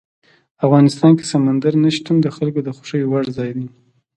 افغانستان کې سمندر نه شتون د خلکو د خوښې وړ ځای دی.